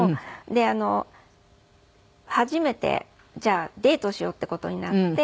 で初めてじゃあデートしようっていう事になって。